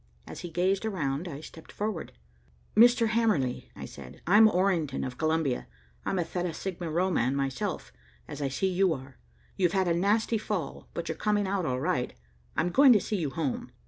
As he gazed around I stepped forward. "Mr. Hamerly," I said, "I'm Orrington of Columbia. I'm a Theta Sigma Rho man, myself, as I see you are. You've had a nasty fall, but you're coming out all right. I'm going to see you home."